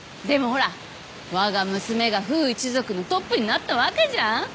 でもほらわが娘がフウ一族のトップになったわけじゃん。